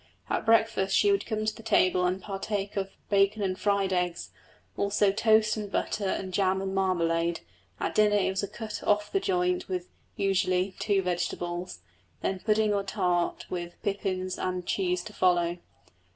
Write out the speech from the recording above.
At breakfast she would come to the table and partake of bacon and fried eggs, also toast and butter and jam and marmalade, at dinner it was a cut off the joint with (usually) two vegetables, then pudding or tart with pippins and cheese to follow.